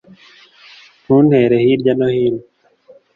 ntuntere hirya no hino